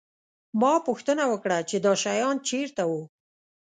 ما پوښتنه وکړه چې دا شیان چېرته وو